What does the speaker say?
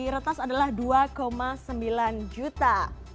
yang di retak adalah dua sembilan juta